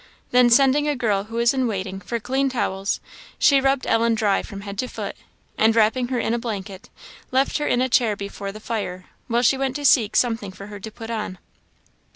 Then sending a girl who was in waiting, for clean towels, she rubbed Ellen dry from head to foot, and wrapping her in a blanket, left her in a chair before the fire, while she went to seek something for her to put on.